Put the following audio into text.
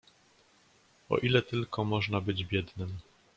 "„O ile tylko można być biednym."